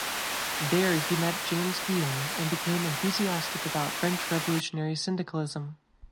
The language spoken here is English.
There he met James Guillaume and became enthusiastic about French revolutionary syndicalism.